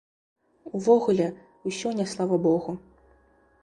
Увогуле, усё не слава богу.